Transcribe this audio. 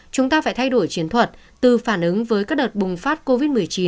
chúng ta phải thay đổi chiến thuật từ phản ứng với các đợt bùng phát covid một mươi chín